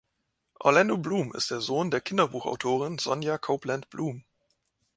Orlando Bloom ist der Sohn der Kinderbuchautorin Sonia Copeland-Bloom.